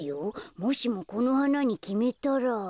もしもこのはなにきめたら。